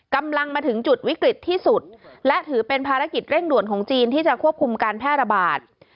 กำลังมาถึงจุดวิกฤตที่สุดและถือเป็นภารกิจเร่งด่วนของจีนที่จะควบคุมการแพร่ระบาด